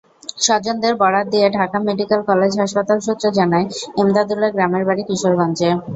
স্বজনদের বরাত দিয়ে ঢাকা মেডিকেল কলেজ হাসপাতাল সূত্র জানায়, এমদাদুলের গ্রামের বাড়ি কিশোরগঞ্জে।